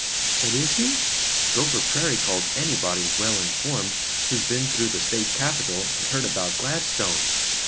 "But IS he? Gopher Prairie calls anybody 'well informed' who's been through the State Capitol and heard about Gladstone."